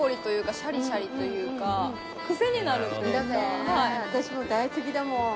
んだべ私も大好きだもん。